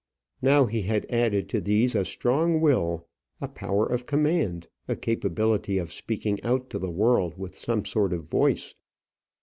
Now he had added to these a strong will, a power of command, a capability of speaking out to the world with some sort of voice.